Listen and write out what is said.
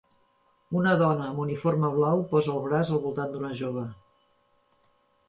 Una dona amb uniforme blau posa el braç al voltant d'una jove.